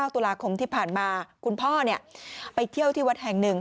ตุลาคมที่ผ่านมาคุณพ่อไปเที่ยวที่วัดแห่งหนึ่ง